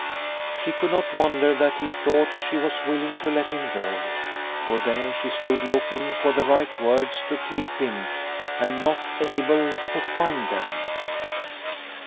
She could not wonder that he thought she was willing to let him go. For there she stood, looking for the right words to keep him and not able to find them.